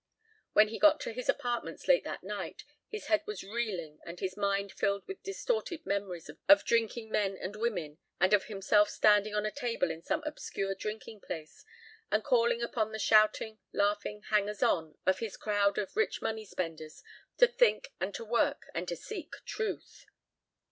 When he got to his apartments late that night, his head was reeling and his mind filled with distorted memories of drinking men and women and of himself standing on a table in some obscure drinking place and calling upon the shouting, laughing hangers on of his crowd of rich money spenders to think and to work and to seek Truth.